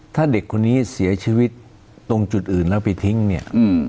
ถ้าเด็กคนนี้เสียชีวิตตรงจุดอื่นแล้วไปทิ้งเนี่ย